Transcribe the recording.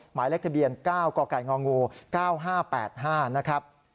หมายเลขทะเบียน๙กง๙๕๘๕นะครับ